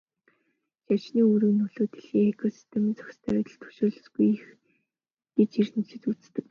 Шавжны үүрэг нөлөө дэлхийн экосистемийн зохистой байдалд төсөөлшгүй их гэж эрдэмтэд үздэг.